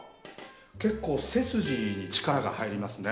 結構背筋に力が入りますね。